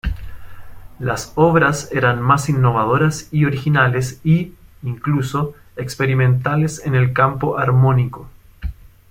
Las obras eran más innovadoras y originales y, incluso, experimentales en el campo armónico.